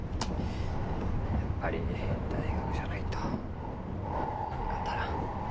やっぱり大学じゃないと本が足らん。